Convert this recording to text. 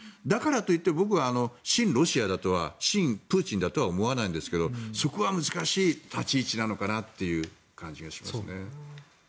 だからと言って僕は親ロシアだとは親プーチンだとは思わないんですがそこは難しい立ち位置なのかなという感じがしますね。